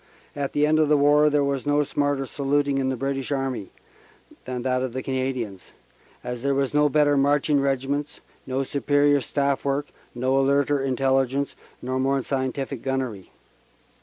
At the end of the war there was no smarter saluting in the British Army than that of the Canadians, as there were no better marching regiments, no superior Staff work, no alerter Intelligence, nor more scientific gunnery.